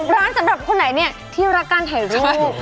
ร้อนสำหรับคนไหนที่รักการถ่ายรูป